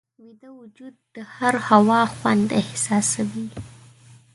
ویده وجود د هوا خوند احساسوي